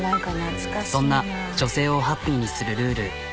そんな女性をハッピーにするルール。